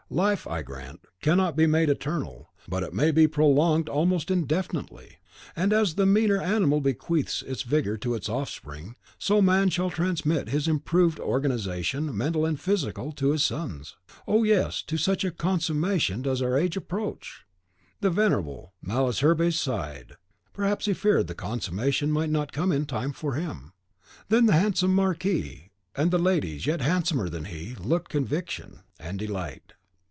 Life, I grant, cannot be made eternal; but it may be prolonged almost indefinitely. And as the meaner animal bequeaths its vigour to its offspring, so man shall transmit his improved organisation, mental and physical, to his sons. Oh, yes, to such a consummation does our age approach!" The venerable Malesherbes sighed. Perhaps he feared the consummation might not come in time for him. The handsome Marquis de and the ladies, yet handsomer than he, looked conviction and delight.